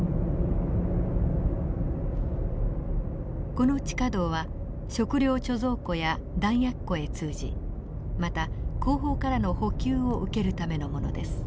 この地下道は食糧貯蔵庫や弾薬庫へ通じまた後方からの補給を受けるためのものです。